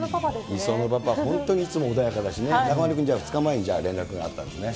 理想のパパ、本当にいつも穏やかだしね、中丸君、じゃあ、２日前に連絡があったんですね。